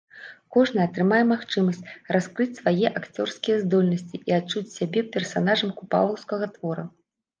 Кожны атрымае магчымасць раскрыць свае акцёрскія здольнасці і адчуць сябе персанажам купалаўскага твора.